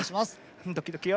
ドキドキよ。